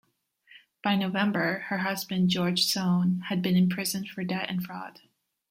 By November her husband George Soane had been imprisoned for debt and fraud.